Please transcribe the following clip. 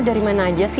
ini pak aris